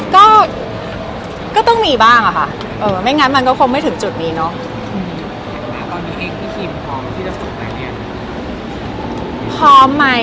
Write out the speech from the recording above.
คือได้ว่ามันนล่อยนะคะแต่ที่ผ่านมา